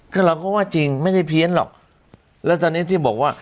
คือเราก็ว่าจริงไม่ได้เพี้ยนหรอกแล้วตอนนี้ที่บอกว่า